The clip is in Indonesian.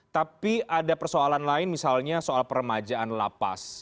tapi ada persoalan lain misalnya soal peremajaan lapas